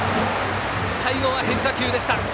最後は変化球でした。